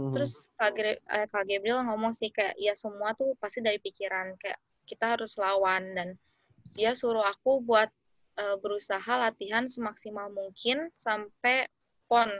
terus kak gebril ngomong sih kayak ya semua tuh pasti dari pikiran kayak kita harus lawan dan dia suruh aku buat berusaha latihan semaksimal mungkin sampai pon